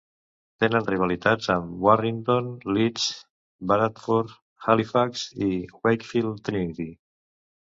Tenen rivalitats amb Warrington, Leeds, Bradford, Halifax i Wakefield Trinity.